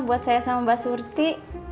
buat saya sama mbak surti